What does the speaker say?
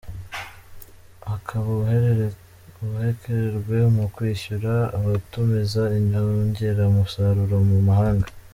Hakaba ubukererwe mu kwishyura abatumiza inyongeramusaruro mu mahanga.